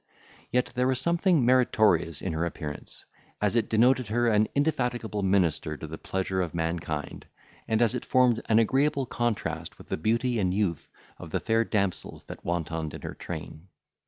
Yet there was something meritorious in her appearance, as it denoted her an indefatigable minister to the pleasure of mankind, and as it formed an agreeable contrast with the beauty and youth of the fair damsels that wantoned in her train.